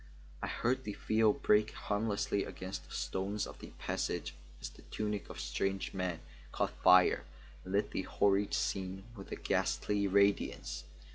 I heard the phial break harmlessly against the stones of the passage as the tunic of the strange man caught fire and lit the horrid scene with a ghastly radiance.